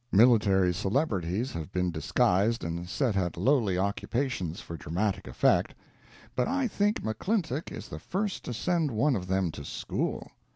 Military celebrities have been disguised and set at lowly occupations for dramatic effect, but I think McClintock is the first to send one of them to school.